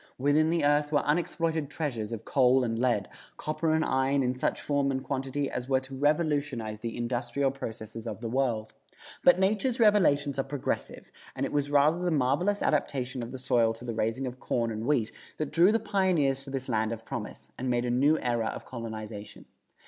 Within the earth were unexploited treasures of coal and lead, copper and iron in such form and quantity as were to revolutionize the industrial processes of the world. But nature's revelations are progressive, and it was rather the marvelous adaptation of the soil to the raising of corn and wheat that drew the pioneers to this land of promise, and made a new era of colonization.